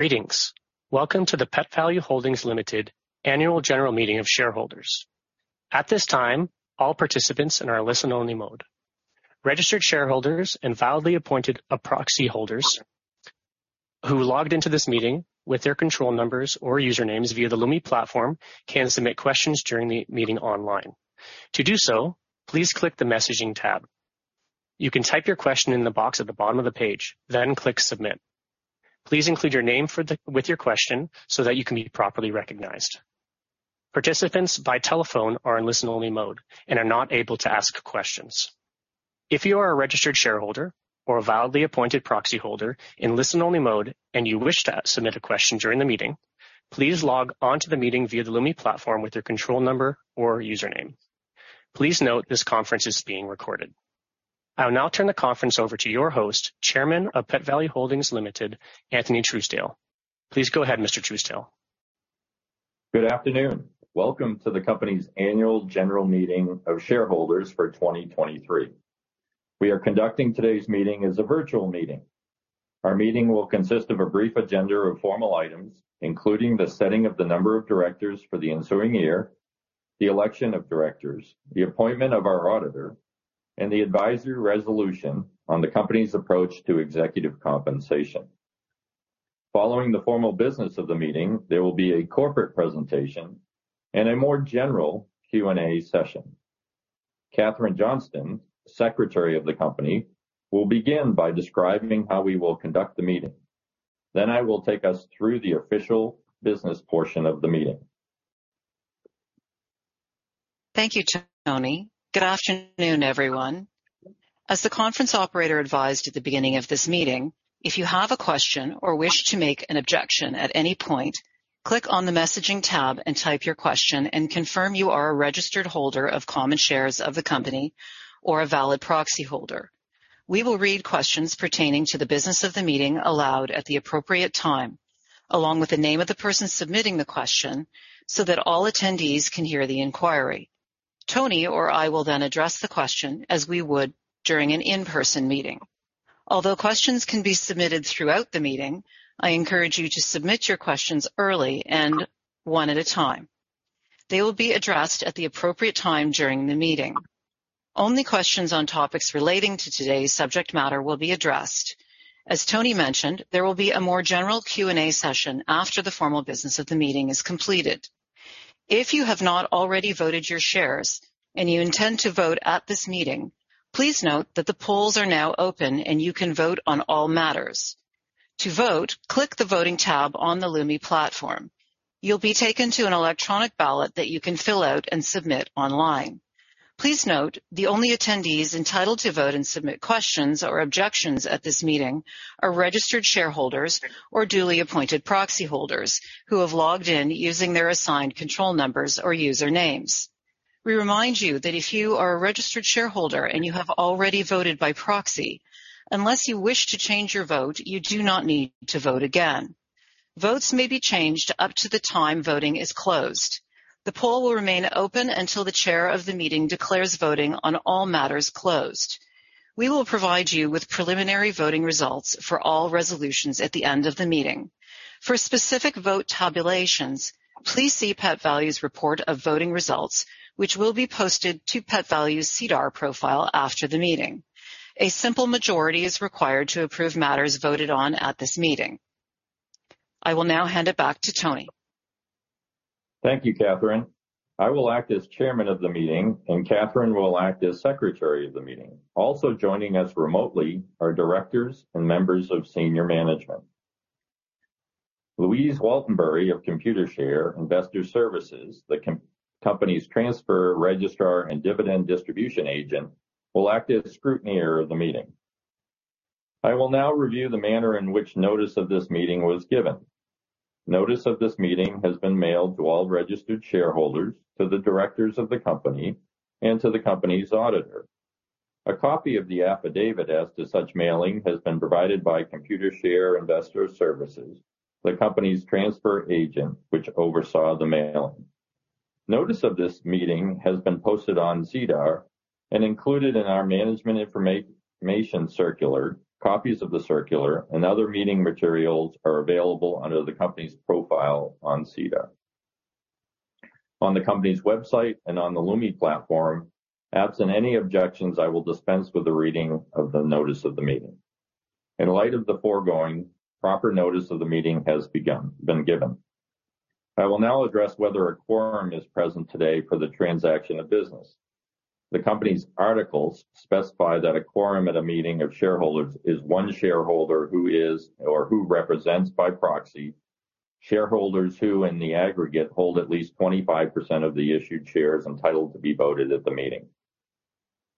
Greetings. Welcome to the Pet Valu Holdings Ltd, annual General Meeting of Shareholders. At this time, all participants are in listen-only mode. Registered shareholders and validly appointed a proxy holders who logged into this meeting with their control numbers or usernames via the Lumi platform can submit questions during the meeting online. To do so, please click the Messaging tab. You can type your question in the box at the bottom of the page, then click Submit. Please include your name with your question so that you can be properly recognized. Participants by telephone are in listen-only mode and are not able to ask questions. If you are a registered shareholder or a validly appointed proxy holder in listen-only mode and you wish to submit a question during the meeting, please log on to the meeting via the Lumi platform with your control number or username. Please note this conference is being recorded. I will now turn the conference over to your host, Chairman of Pet Valu Holdings Ltd., Anthony Truesdale. Please go ahead Mr. Truesdale. Good afternoon. Welcome to the company's annual general meeting of shareholders for 2023. We are conducting today's meeting as a virtual meeting. Our meeting will consist of a brief agenda of formal items, including the setting of the number of directors for the ensuing year, the election of directors, the appointment of our auditor, and the advisory resolution on the company's approach to executive compensation. Following the formal business of the meeting, there will be a corporate presentation and a more general Q&A session. Catherine Johnston Secretary of the Company, will begin by describing how we will conduct the meeting. I will take us through the official business portion of the meeting. Thank you Tony. Good afternoon everyone. As the conference operator advised at the beginning of this meeting, if you have a question or wish to make an objection at any point, click on the Messaging tab and type your question and confirm you are a registered holder of common shares of the company or a valid proxy holder. We will read questions pertaining to the business of the meeting aloud at the appropriate time, along with the name of the person submitting the question so that all attendees can hear the inquiry. Tony or I will address the question as we would during an in-person meeting. Although questions can be submitted throughout the meeting, I encourage you to submit your questions early and one at a time. They will be addressed at the appropriate time during the meeting. Only questions on topics relating to today's subject matter will be addressed. As Tony mentioned, there will be a more general Q&A session after the formal business of the meeting is completed. If you have not already voted your shares and you intend to vote at this meeting, please note that the polls are now open and you can vote on all matters. To vote, click the Voting tab on the Lumi platform. You'll be taken to an electronic ballot that you can fill out and submit online. Please note the only attendees entitled to vote and submit questions or objections at this meeting are registered shareholders or duly appointed proxy holders who have logged in using their assigned control numbers or usernames. We remind you that if you are a registered shareholder and you have already voted by proxy, unless you wish to change your vote, you do not need to vote again. Votes may be changed up to the time voting is closed. The poll will remain open until the chair of the meeting declares voting on all matters closed. We will provide you with preliminary voting results for all resolutions at the end of the meeting. For specific vote tabulations, please see Pet Valu's report of voting results, which will be posted to Pet Valu's SEDAR profile after the meeting. A simple majority is required to approve matters voted on at this meeting. I will now hand it back to Tony. Thank you Catherine. I will act as Chairman of the meeting. Catherine will act as Secretary of the meeting. Also joining us remotely are directors and members of senior management. Louise Waltenbury of Computershare Investor Services, the company's transfer registrar and dividend distribution agent, will act as scrutineer of the meeting. I will now review the manner in which notice of this meeting was given. Notice of this meeting has been mailed to all registered shareholders, to the directors of the company, and to the company's auditor. A copy of the affidavit as to such mailing has been provided by Computershare Investor Services, the company's transfer agent, which oversaw the mailing. Notice of this meeting has been posted on SEDAR and included in our management information circular. Copies of the circular and other meeting materials are available under the company's profile on SEDAR. On the company's website and on the Lumi platform, absent any objections, I will dispense with the reading of the notice of the meeting. In light of the foregoing, proper notice of the meeting has been given. I will now address whether a quorum is present today for the transaction of business. The company's articles specify that a quorum at a meeting of shareholders is one shareholder who is or who represents by proxy shareholders who in the aggregate, hold at least 25% of the issued shares entitled to be voted at the meeting.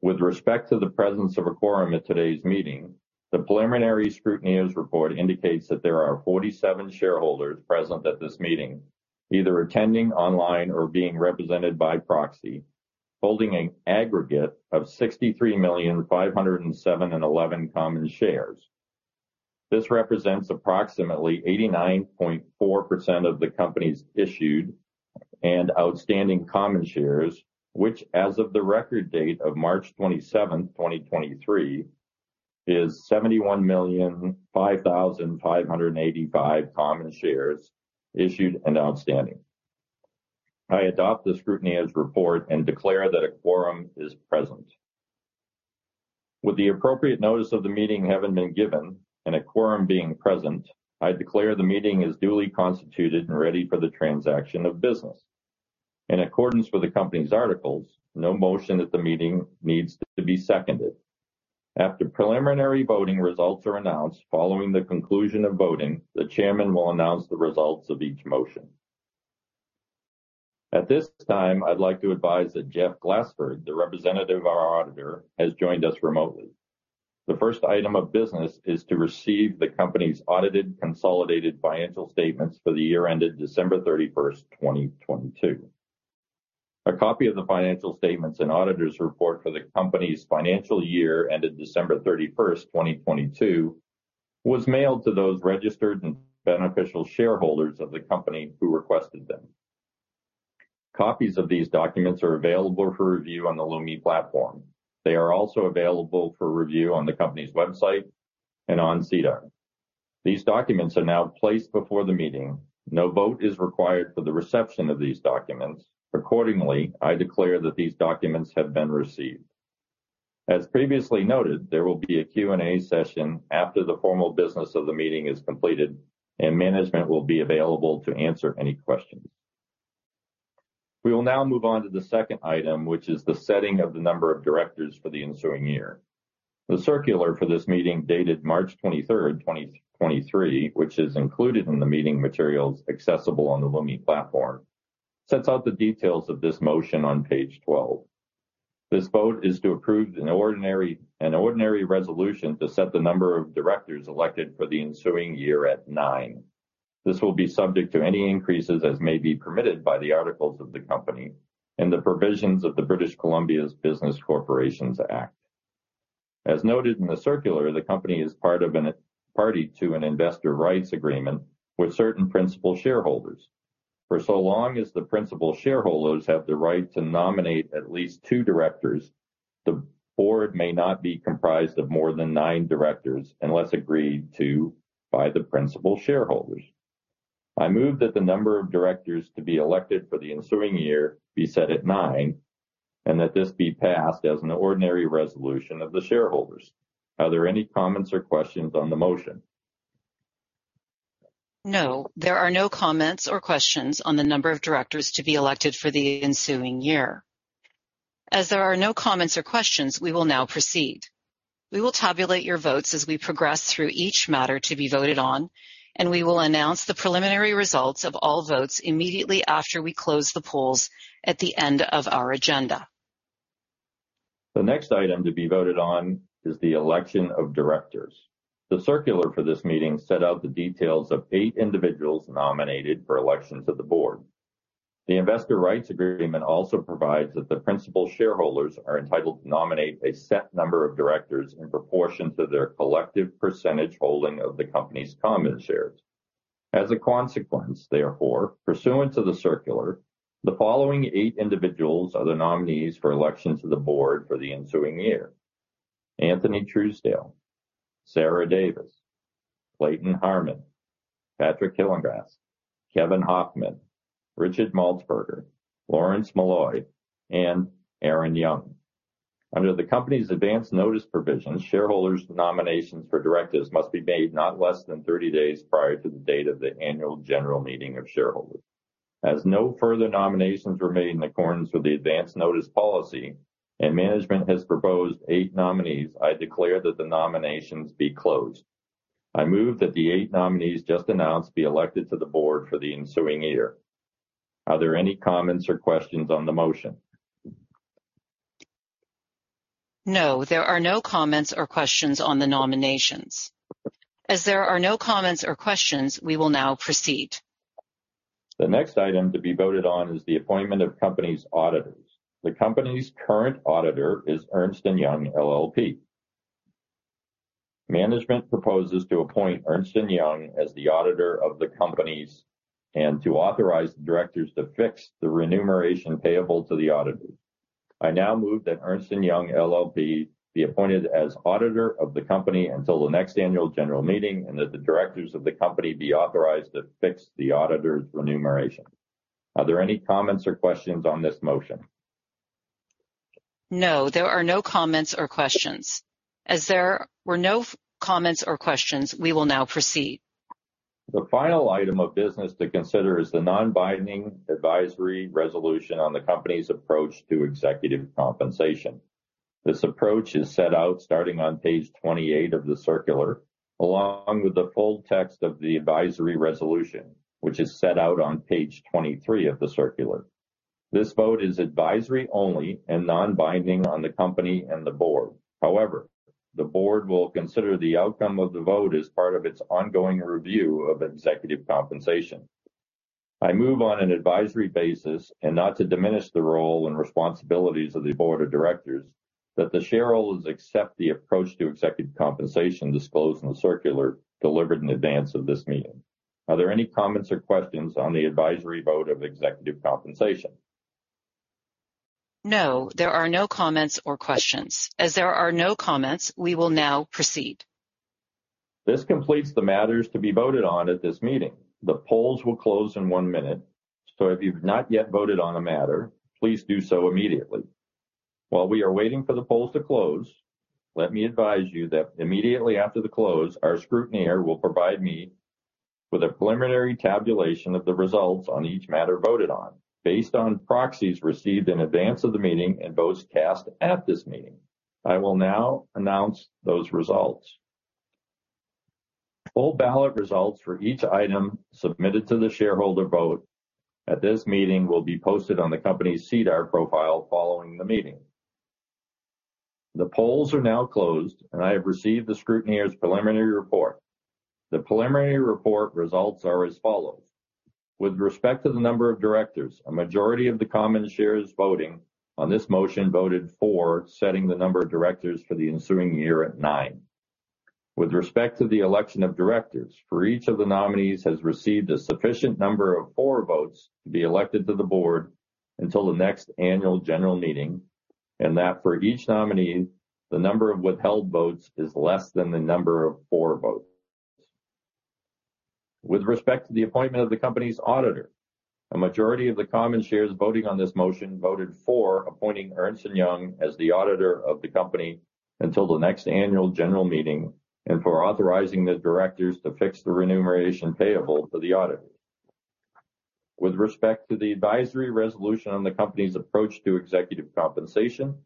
With respect to the presence of a quorum at today's meeting, the preliminary scrutineer's report indicates that there are 47 shareholders present at this meeting, either attending online or being represented by proxy, holding an aggregate of 63,000,518 common shares. This represents approximately 89.4% of the company's issued and outstanding common shares, which as of the record date of March 27, 2023, is 71,005,585 common shares issued and outstanding. I adopt the scrutineer's report and declare that a quorum is present. With the appropriate notice of the meeting having been given and a quorum being present, I declare the meeting is duly constituted and ready for the transaction of business. In accordance with the company's articles, no motion at the meeting needs to be seconded. After preliminary voting results are announced following the conclusion of voting, the chairman will announce the results of each motion. At this time, I'd like to advise that Jeff Glassford, the representative of our auditor, has joined us remotely. The first item of business is to receive the company's audited consolidated financial statements for the year ended December 31, 2022. A copy of the financial statements and auditor's report for the company's financial year ended December 31, 2022, was mailed to those registered and beneficial shareholders of the company who requested them. Copies of these documents are available for review on the Lumi platform. They are also available for review on the company's website and on SEDAR. These documents are now placed before the meeting. No vote is required for the reception of these documents. Accordingly, I declare that these documents have been received. As previously noted, there will be a Q&A session after the formal business of the meeting is completed, and management will be available to answer any questions. We will now move on to the second item, which is the setting of the number of directors for the ensuing year. The circular for this meeting dated March 23rd, 2023, which is included in the meeting materials accessible on the Lumi platform, sets out the details of this motion on page 12. This vote is to approve an ordinary resolution to set the number of directors elected for the ensuing year at nine. This will be subject to any increases as may be permitted by the articles of the company and the provisions of the British Columbia's Business Corporations Act. As noted in the circular, the company is party to an investor rights agreement with certain principal shareholders. For so long as the principal shareholders have the right to nominate at least two directors, the board may not be comprised of more than nine directors unless agreed to by the principal shareholders. I move that the number of directors to be elected for the ensuing year be set at nine, and that this be passed as an ordinary resolution of the shareholders. Are there any comments or questions on the motion? No, there are no comments or questions on the number of directors to be elected for the ensuing year. As there are no comments or questions, we will now proceed. We will tabulate your votes as we progress through each matter to be voted on. We will announce the preliminary results of all votes immediately after we close the polls at the end of our agenda. The next item to be voted on is the election of Directors. The circular for this meeting set out the details of 8 individuals nominated for election to the Board. The investor rights agreement also provides that the principal shareholders are entitled to nominate a set number of Directors in proportion to their collective percentage holding of the company's common shares. As a consequence therefore, pursuant to the circular, the following eight individuals are the nominees for election to the Board for the ensuing year: Anthony Truesdale, Sarah Davis, Clayton Harmon, Patrick Hillegass, Kevin Hofmann, Richard Maltsbarger, Lawrence Molloy, and Erin Young. Under the company's advance notice provisions, shareholders' nominations for Directors must be made not less than 30 days prior to the date of the annual general meeting of shareholders. As no further nominations were made in accordance with the advance notice policy, and management has proposed 8 nominees, I declare that the nominations be closed. I move that the 8 nominees just announced be elected to the board for the ensuing year. Are there any comments or questions on the motion? No, there are no comments or questions on the nominations. As there are no comments or questions, we will now proceed. The next item to be voted on is the appointment of company's auditors. The company's current auditor is Ernst & Young LLP. Management proposes to appoint Ernst & Young as the auditor of the companies and to authorize the directors to fix the remuneration payable to the auditor. I now move that Ernst & Young LLP be appointed as auditor of the company until the next annual general meeting and that the directors of the company be authorized to fix the auditor's remuneration. Are there any comments or questions on this motion? No, there are no comments or questions. There were no comments or questions, we will now proceed. The final item of business to consider is the non-binding advisory resolution on the company's approach to executive compensation. This approach is set out starting on page 28 of the circular, along with the full text of the advisory resolution, which is set out on page 23 of the circular. This vote is advisory only and non-binding on the company and the board. However, the board will consider the outcome of the vote as part of its ongoing review of executive compensation. I move on an advisory basis and not to diminish the role and responsibilities of the board of directors that the shareholders accept the approach to executive compensation disclosed in the circular delivered in advance of this meeting. Are there any comments or questions on the advisory vote of executive compensation? No, there are no comments or questions. As there are no comments, we will now proceed. This completes the matters to be voted on at this meeting. The polls will close in one minute, so if you've not yet voted on a matter, please do so immediately. While we are waiting for the polls to close, let me advise you that immediately after the close, our scrutineer will provide me with a preliminary tabulation of the results on each matter voted on based on proxies received in advance of the meeting and votes cast at this meeting. I will now announce those results. Poll ballot results for each item submitted to the shareholder vote at this meeting will be posted on the company's SEDAR profile following the meeting. The polls are now closed, and I have received the scrutineer's preliminary report. The preliminary report results are as follows: With respect to the number of directors, a majority of the common shares voting on this motion voted for setting the number of directors for the ensuing year at nine. With respect to the election of directors, for each of the nominees has received a sufficient number of four votes to be elected to the board until the next annual general meeting, and that for each nominee, the number of withheld votes is less than the number of four votes. With respect to the appointment of the company's auditor, a majority of the common shares voting on this motion voted for appointing Ernst & Young as the auditor of the company until the next annual general meeting and for authorizing the directors to fix the remuneration payable to the auditor. With respect to the advisory resolution on the company's approach to executive compensation,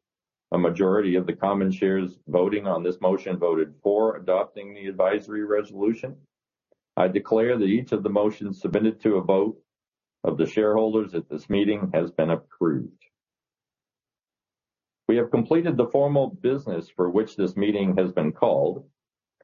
a majority of the common shares voting on this motion voted for adopting the advisory resolution. I declare that each of the motions submitted to a vote of the shareholders at this meeting has been approved. We have completed the formal business for which this meeting has been called.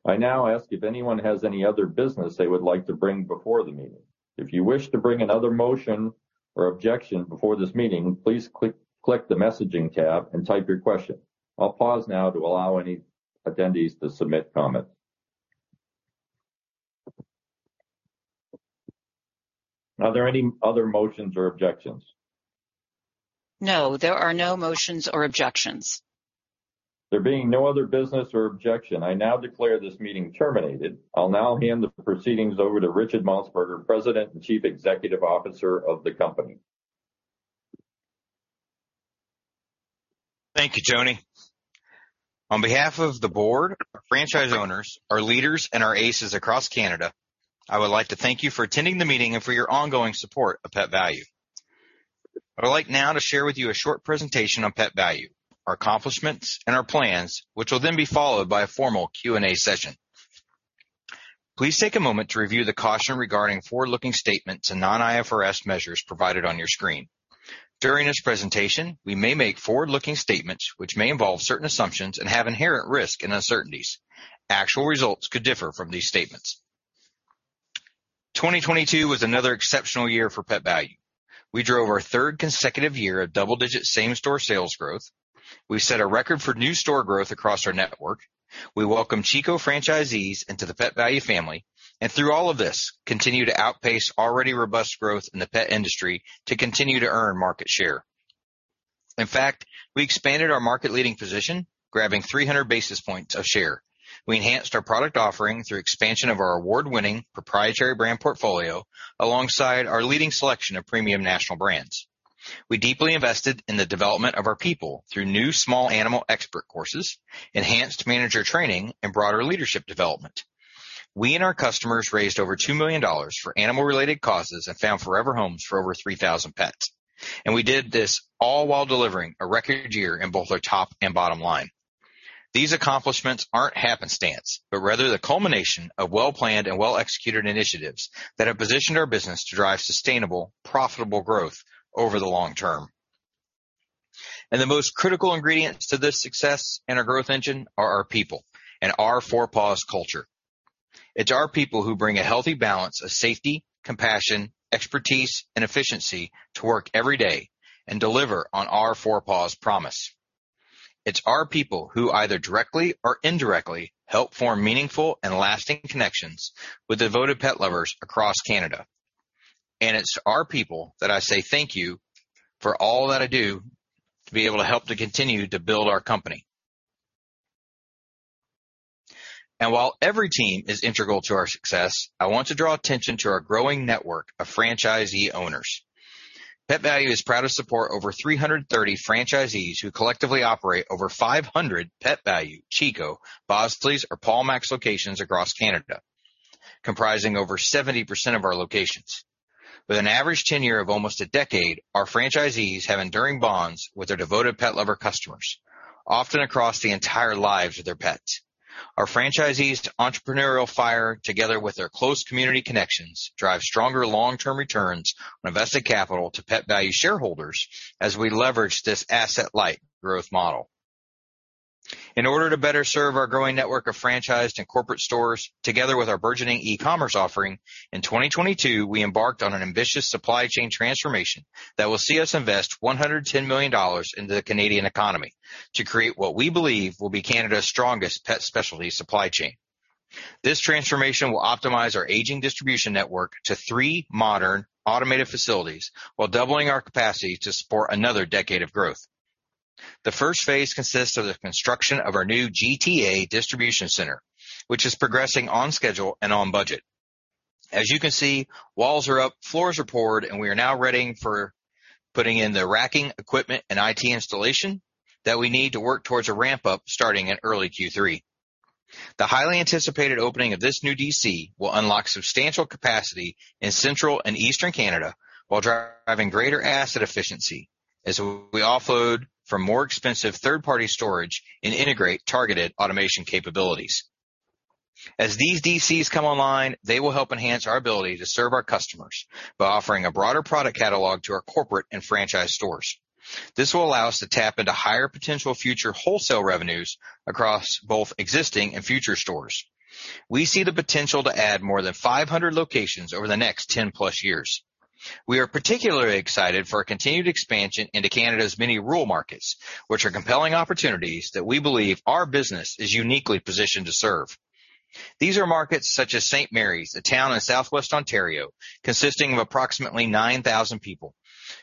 I now ask if anyone has any other business they would like to bring before the meeting. If you wish to bring another motion or objection before this meeting, please click the messaging tab and type your question. I'll pause now to allow any attendees to submit comments. Are there any other motions or objections? No, there are no motions or objections. There being no other business or objection, I now declare this meeting terminated. I'll now hand the proceedings over to Richard Maltsbarger, President and Chief Executive Officer of the company. Thank you Tony. On behalf of the board, our franchise owners, our leaders, and our ACES across Canada, I would like to thank you for attending the meeting and for your ongoing support of Pet Valu. I would like now to share with you a short presentation on Pet Valu, our accomplishments, and our plans, which will be followed by a formal Q&A session. Please take a moment to review the caution regarding forward-looking statements and non-IFRS measures provided on your screen. During this presentation, we may make forward-looking statements which may involve certain assumptions and have inherent risk and uncertainties. Actual results could differ from these statements. 2022 was another exceptional year for Pet Valu. We drove our 3rd consecutive year of double-digit same-store sales growth. We set a record for new store growth across our network. We welcomed Chico franchisees into the Pet Valu family. Through all of this, continued to outpace already robust growth in the pet industry to continue to earn market share. In fact, we expanded our market-leading position, grabbing 300 basis points of share. We enhanced our product offering through expansion of our award-winning proprietary brand portfolio, alongside our leading selection of premium national brands. We deeply invested in the development of our people through new small animal expert courses, enhanced manager training, and broader leadership development. We and our customers raised over 2 million dollars for animal-related causes and found forever homes for over 3,000 pets. We did this all while delivering a record year in both our top and bottom line. These accomplishments aren't happenstance, but rather the culmination of well-planned and well-executed initiatives that have positioned our business to drive sustainable, profitable growth over the long term. The most critical ingredients to this success and our growth engine are our people and our Four Paws culture. It's our people who bring a healthy balance of safety, compassion, expertise, and efficiency to work every day and deliver on our Four Paws promise. It's our people who either directly or indirectly help form meaningful and lasting connections with devoted pet lovers across Canada. It's our people that I say thank you for all that I do to be able to help to continue to build our company. While every team is integral to our success, I want to draw attention to our growing network of franchisee owners. Pet Valu is proud to support over 330 franchisees who collectively operate over 500 Pet Valu, Chico, Bosley's or Paulmac's Pets locations across Canada, comprising over 70% of our locations. With an average tenure of almost a decade, our franchisees have enduring bonds with their devoted pet lover customers, often across the entire lives of their pets. Our franchisees' entrepreneurial fire, together with their close community connections, drive stronger long-term returns on invested capital to Pet Valu shareholders as we leverage this asset-light growth model. In order to better serve our growing network of franchised and corporate stores together with our burgeoning e-commerce offering, in 2022, we embarked on an ambitious supply chain transformation that will see us invest 110 million dollars into the Canadian economy to create what we believe will be Canada's strongest pet specialty supply chain. This transformation will optimize our aging distribution network to three modern automated facilities while doubling our capacity to support another decade of growth. The first phase consists of the construction of our new GTA distribution center, which is progressing on schedule and on budget. As you can see, walls are up, floors are poured, and we are now readying for putting in the racking equipment and IT installation that we need to work towards a ramp-up starting in early Q3. The highly anticipated opening of this new DC will unlock substantial capacity in Central and Eastern Canada while driving greater asset efficiency as we offload from more expensive third-party storage and integrate targeted automation capabilities. As these DCs come online, they will help enhance our ability to serve our customers by offering a broader product catalog to our corporate and franchise stores. This will allow us to tap into higher potential future wholesale revenues across both existing and future stores. We see the potential to add more than 500 locations over the next 10+ years. We are particularly excited for a continued expansion into Canada's many rural markets, which are compelling opportunities that we believe our business is uniquely positioned to serve. These are markets such as St. Marys, a town in southwest Ontario, consisting of approximately 9,000 people,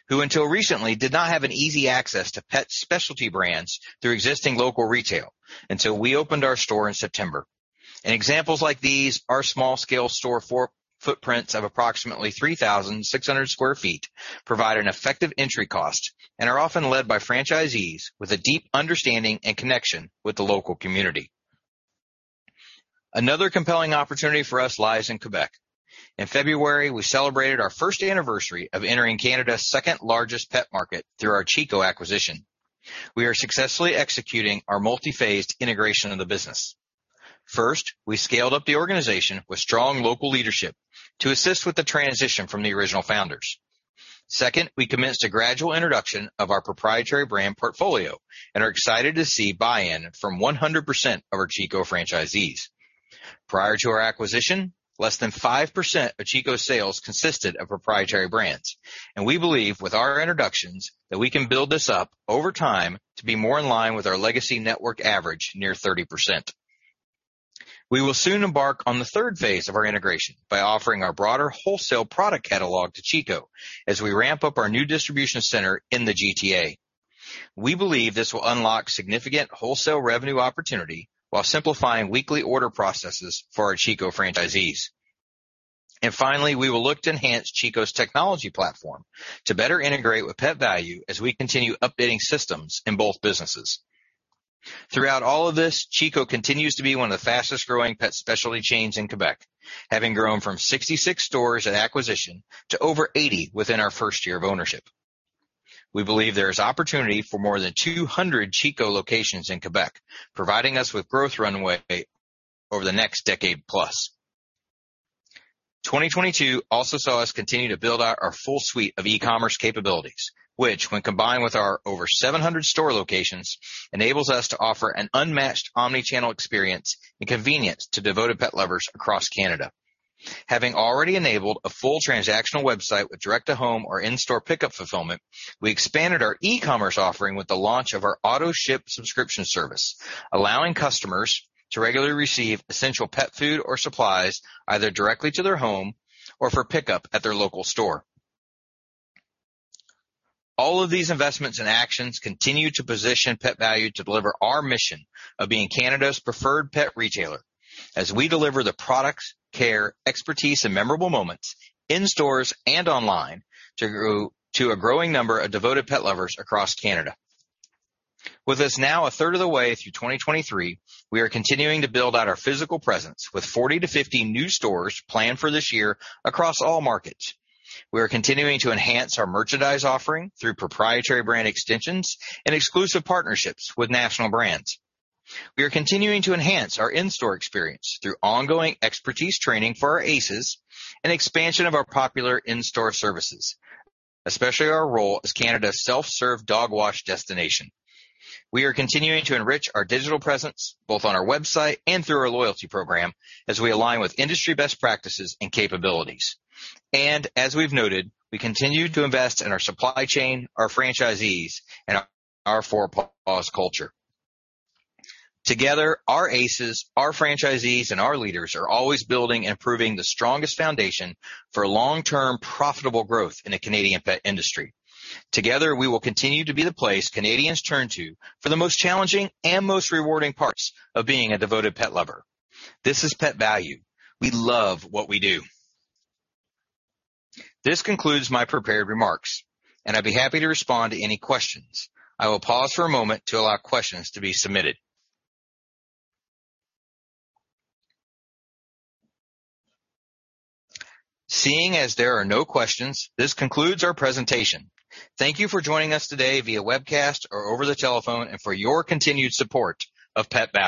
who until recently did not have an easy access to pet specialty brands through existing local retail, until we opened our store in September. In examples like these, our small-scale store footprints of approximately 3,600 sq ft provide an effective entry cost and are often led by franchisees with a deep understanding and connection with the local community. Another compelling opportunity for us lies in Quebec. In February, we celebrated our first anniversary of entering Canada's second-largest pet market through our Chico acquisition. We are successfully executing our multi-phased integration of the business. First, we scaled up the organization with strong local leadership to assist with the transition from the original founders. Second, we commenced a gradual introduction of our proprietary brand portfolio and are excited to see buy-in from 100% of our Chico franchisees. Prior to our acquisition, less than 5% of Chico sales consisted of proprietary brands, and we believe with our introductions that we can build this up over time to be more in line with our legacy network average, near 30%. We will soon embark on the third phase of our integration by offering our broader wholesale product catalog to Chico as we ramp up our new distribution center in the GTA. We believe this will unlock significant wholesale revenue opportunity while simplifying weekly order processes for our Chico franchisees. Finally, we will look to enhance Chico's technology platform to better integrate with Pet Valu as we continue updating systems in both businesses. Throughout all of this, Chico continues to be one of the fastest-growing pet specialty chains in Quebec, having grown from 66 stores at acquisition to over 80 within our first year of ownership. We believe there is opportunity for more than 200 Chico locations in Quebec, providing us with growth runway over the next decade plus. 2022 also saw us continue to build out our full suite of e-commerce capabilities, which when combined with our over 700 store locations, enables us to offer an unmatched omni-channel experience and convenience to devoted pet lovers across Canada. Having already enabled a full transactional website with direct-to-home or in-store pickup fulfillment, we expanded our e-commerce offering with the launch of our auto-ship subscription service, allowing customers to regularly receive essential pet food or supplies either directly to their home or for pickup at their local store. All of these investments and actions continue to position Pet Valu to deliver our mission of being Canada's preferred pet retailer as we deliver the products, care, expertise, and memorable moments in stores and online to a growing number of devoted pet lovers across Canada. With us now a third of the way through 2023, we are continuing to build out our physical presence with 40-50 new stores planned for this year across all markets. We are continuing to enhance our merchandise offering through proprietary brand extensions and exclusive partnerships with national brands. We are continuing to enhance our in-store experience through ongoing expertise training for our ACES and expansion of our popular in-store services, especially our role as Canada's self-serve dog wash destination. We are continuing to enrich our digital presence both on our website and through our loyalty program as we align with industry best practices and capabilities. As we've noted, we continue to invest in our supply chain, our franchisees, and our Four Paws culture. Together, our ACES, our franchisees, and our leaders are always building and improving the strongest foundation for long-term profitable growth in the Canadian pet industry. Together, we will continue to be the place Canadians turn to for the most challenging and most rewarding parts of being a devoted pet lover. This is Pet Valu. We love what we do. This concludes my prepared remarks, and I'd be happy to respond to any questions. I will pause for a moment to allow questions to be submitted. Seeing as there are no questions, this concludes our presentation. Thank you for joining us today via webcast or over the telephone and for your continued support of Pet Valu.